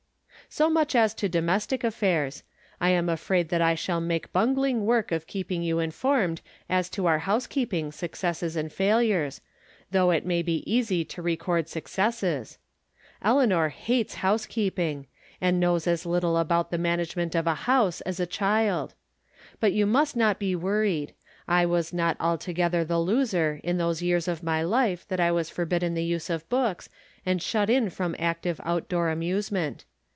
So much as to domestic affairs. I am afraid that I shall make bungling work of keeping you informed as to our housekeeping successes and failures* though it may be easy to record successes ! Eleanor hates housekeeping, and knows as little about the management of a hoiise as a child. Eut you must not be worried. I was not alto gether the loser in those years of my life that I was forbidden the use of books, and shut in from active out door amusement.